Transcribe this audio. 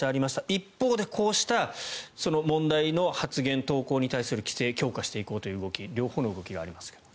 一方で、こうした問題の発言投稿に対する規制を強化していこうという動き両方の動きがあります。